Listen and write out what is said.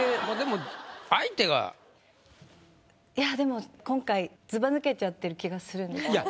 まあでもいやでも今回ずばぬけちゃってる気がするんです。